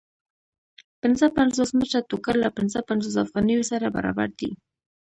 پنځه پنځوس متره ټوکر له پنځه پنځوس افغانیو سره برابر دی